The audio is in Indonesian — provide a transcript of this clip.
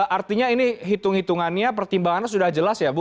artinya ini hitung hitungannya pertimbangannya sudah jelas ya bu